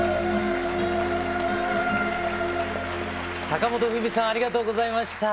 坂本冬美さんありがとうございました。